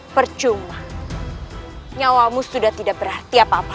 percuma nyawamu sudah tidak berarti apa apa